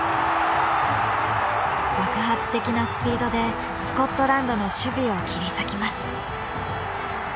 爆発的なスピードでスコットランドの守備を切り裂きます。